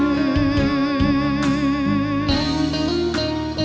ขอบคุณค่ะ